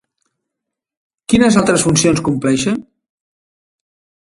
Quines altres funcions compleixen?